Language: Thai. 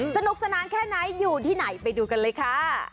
สนุกสนานแค่ไหนอยู่ที่ไหนไปดูกันเลยค่ะ